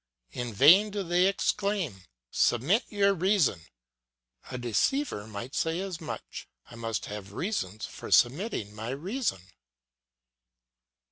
In vain do they exclaim, 'Submit your reason;' a deceiver might say as much; I must have reasons for submitting my reason.